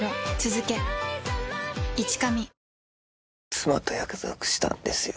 妻と約束したんですよ